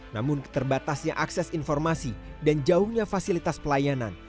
namun terbatasnya akses informasi dan jauhnya fasilitas pelayanan